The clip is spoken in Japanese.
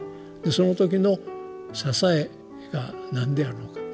その時の支えが何であるのか。